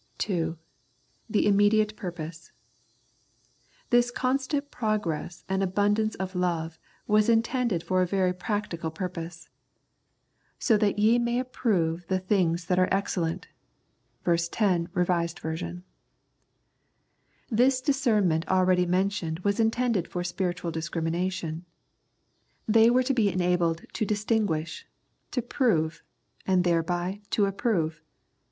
2. The Immediate Purpose. This constant progress and abundance of love was intended for a very practical pur 131 The Prayers of St. Paul pose ;so that ye may approve the things that are excellent " (ver. lo, R.V.). The discernment already mentioned was intended for spiritual discrimination. They were to be enabled to distinguish, to prove, and thereby to approve.